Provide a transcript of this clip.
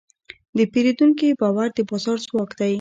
د پیرودونکي باور د بازار ځواک دی.